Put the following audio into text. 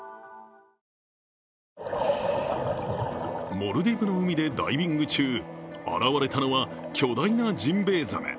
モルディブの海でダイビング中、現れたのは巨大なジンベエザメ。